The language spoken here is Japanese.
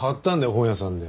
本屋さんで。